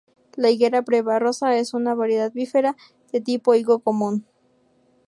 La higuera 'Breva Rosa' es una variedad "bífera" de tipo higo común.